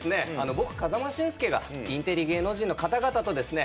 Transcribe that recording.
僕風間俊介がインテリ芸能人の方々とですね